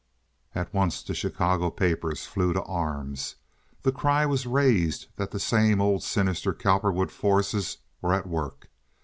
At once the Chicago papers flew to arms. The cry was raised that the same old sinister Cowperwoodian forces were at work.